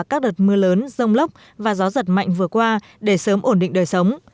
các đợt mưa lớn rông lốc và gió giật mạnh vừa qua để sớm ổn định đời sống